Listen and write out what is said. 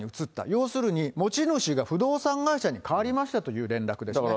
要するに、持ち主が不動産会社に変わりましたという連絡ですね。